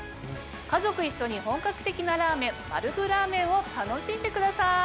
家族一緒に本格的なラーメンまるぐラーメンを楽しんでください。